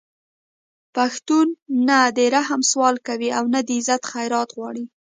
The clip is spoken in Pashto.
پښتون نه د رحم سوال کوي او نه د عزت خیرات غواړي